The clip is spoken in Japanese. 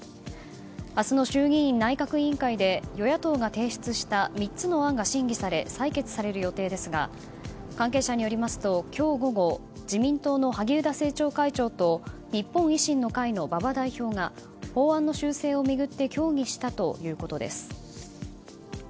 明日の衆議院内閣委員会で与野党が提出した３つの案が審議され採決される予定ですが関係者によりますと今日午後自民党の萩生田政調会長と日本維新の会の馬場代表が法案の修正を巡って協議したということです。